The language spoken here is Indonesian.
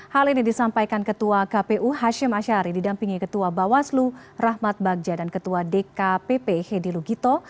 hal ini disampaikan ketua kpu hashim ashari didampingi ketua bawaslu rahmat bagja dan ketua dkpp hedi lugito